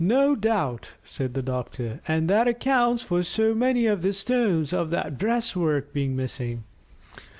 "No doubt," said the doctor, "and that accounts for so many of the stones of that breastwork being missing."